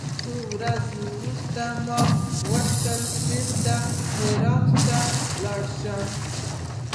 څو ورځې وروسته ما غوښتل بېرته دهراوت ته ولاړ سم.